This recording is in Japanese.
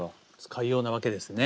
使いようなわけですね。